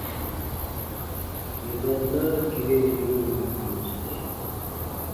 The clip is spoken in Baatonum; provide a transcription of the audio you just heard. Yè ba naagiren yorubu kùn sɛ̃.